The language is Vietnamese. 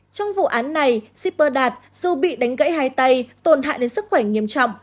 trong vụ án này zipper đạt dù bị đánh gãy hai tay tồn hại đến sức khỏe nghiêm trọng